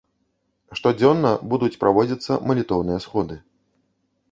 Штодзённа будуць праводзіцца малітоўныя сходы.